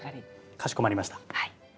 かしこまりました。